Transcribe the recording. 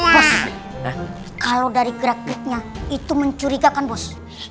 bos kalau dari gerak geriknya itu mencurigakan bos